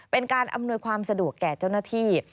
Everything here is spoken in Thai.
เป็นการอำนวยความสะดวกแก่เจ้าหน้าที่